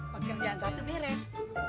pekerjaan satu beres